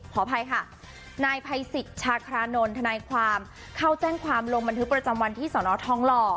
ขออภัยค่ะนายภัยสิทธิ์ชาครานนท์ทนายความเข้าแจ้งความลงบันทึกประจำวันที่สนทองหล่อ